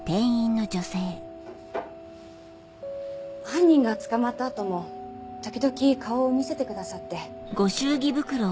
犯人が捕まった後も時々顔を見せてくださって。